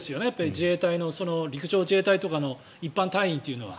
自衛隊の陸上自衛隊とかの一般隊員というのは。